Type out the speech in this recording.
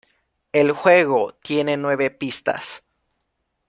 El juego tiene nueve pistas.